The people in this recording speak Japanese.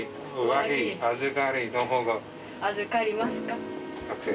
「預かりますか」ＯＫ